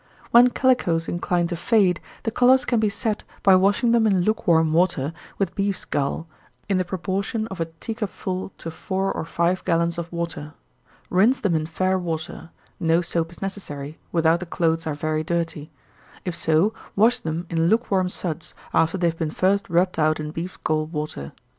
When calicoes incline to fade, the colors can be set by washing them in lukewarm water, with beef's gall, in the proportion of a tea cup full to four or five gallons of water. Rinse them in fair water no soap is necessary, without the clothes are very dirty. If so, wash them in lukewarm suds, after they have been first rubbed out in beef's gall water.